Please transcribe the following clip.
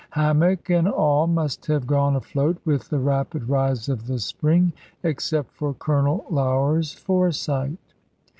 Hammock and all must have gone afloat, with the rapid rise of the spring, except for Colonel Lougher's foresight.